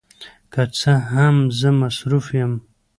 که څه هم، زه مصروف یم.